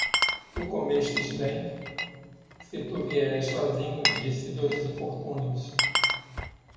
Tu comestes 'bem? se tu vieres sozinho disse dos infortúnios